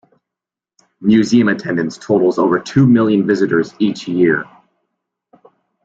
Museum attendance totals over two million visitors each year.